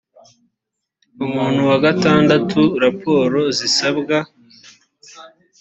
umutwe wa gatandatu raporo zisabwa